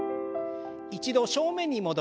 一度正面に戻して。